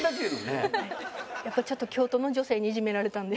やっぱちょっと京都の女性にいじめられたんで。